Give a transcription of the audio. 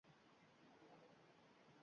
— To‘g‘ri, — dedi Kichkina shahzoda.